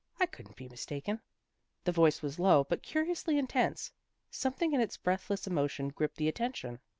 I couldn't be mistaken." The voice was low but curiously intense. Something in its breathless emotion gripped the attention.